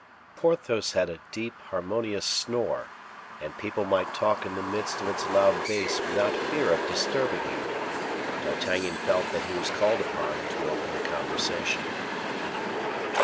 Porthos had a deep, harmonious snore, and people might talk in the midst of its loud bass without fear of disturbing him. D'Artagnan felt that he was called upon to open the conversation.